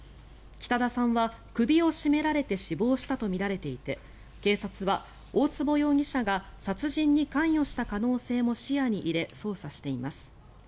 北田さんは首を絞められて死亡したとみられていて警察は、大坪容疑者が殺人に関与した可能性も視野に入れ捜査しています。